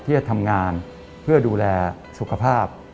ที่จะทำงานเพื่อดูแลสุขภาพ